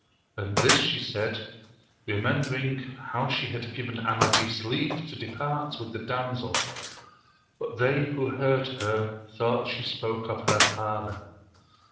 And this she said, remembering how she had given Amadis leave to depart with the damsel; but they who heard her thought she spoke of her father.